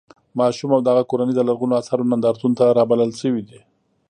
ماشوم او د هغه کورنۍ د لرغونو اثارو نندارتون ته رابلل شوي دي.